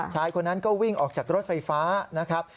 ชายคนนั้นก็วิ่งออกจากรถไฟฟ้านะครับ